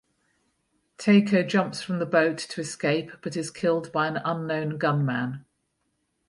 Taeko jumps from the boat to escape but is killed by an unknown gunman.